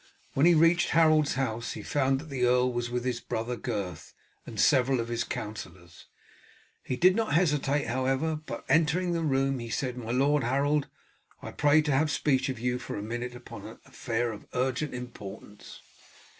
When he reached Harold's house he found that the earl was with his brother Gurth and several of his councillors. He did not hesitate, however, but entering the room, said, "My Lord Harold, I pray to have speech of you for a minute upon an affair of urgent importance."